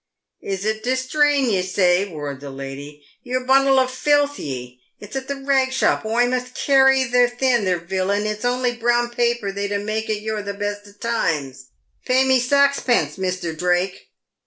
"Is it distrain, ye say," roared the lady, "yer bundle o' filth ye! It's at the rag shop oi must carry yer thin, yer villin, and its onlee brown paper they 'ud make o' yer at the best o' times. Pay mee sax pence, Misther Drake."